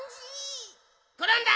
ころんだ！